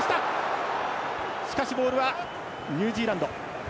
しかしボールはニュージーランド。